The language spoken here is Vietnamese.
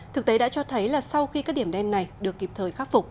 thực tế đã cho thấy là sau khi các điểm đen này được kịp thời khắc phục